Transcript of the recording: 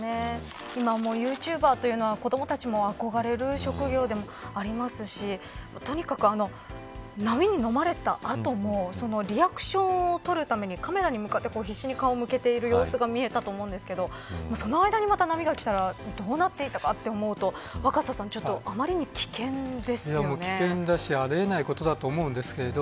今はもうユーチューバーというのは子どもたちの憧れる職業でありますしとにかく、波にのまれた後もそのリアクションを取るためにカメラに向かって必死に顔を向けている様子が見えたと思うんですけどその間に、また波が来たらどうなっていたかと思うと若狭さんありえないことだと思うんですけど